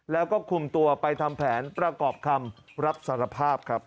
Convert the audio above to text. แล้วก็คุมตัวไปทำแผนประกอบคำรับสารภาพครับ